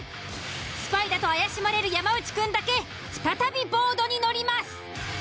スパイだと怪しまれる山内くんだけ再びボードに乗ります。